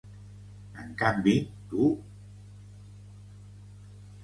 En canvi, tu…